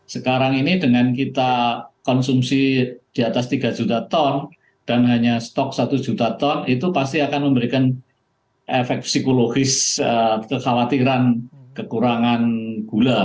sekarang ini dengan kita konsumsi di atas tiga juta ton dan hanya stok satu juta ton itu pasti akan memberikan efek psikologis kekhawatiran kekurangan gula